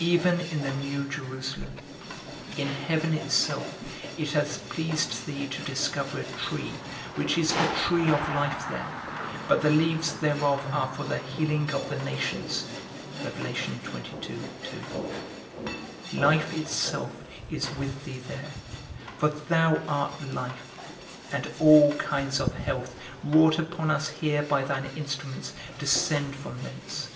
Even in the new Jerusalem, in heaven itself, it hath pleased thee to discover a tree, which is a tree of life there, but the leaves thereof are for the healing of the nations. Life itself is with thee there, for thou art life; and all kinds of health, wrought upon us here by thine instruments, descend from thence.